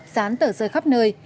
sán tờ sơ khắp nơi